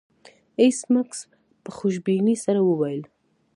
ایس میکس په خوشبینۍ سره وویل